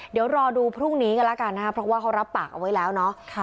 เดี๋ยวรอดูพรุ่งนี้กันแล้วกันนะครับเพราะว่าเขารับปากเอาไว้แล้วเนาะ